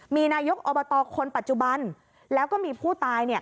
มีนายกอบตคนปัจจุบันแล้วก็มีผู้ตาย